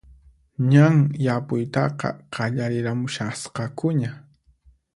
Ñan yapuytaqa qallariramushasqakuña